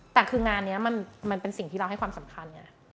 แต่คืองานนี้มันเป็นสิ่งที่เราให้ความสำคัญไง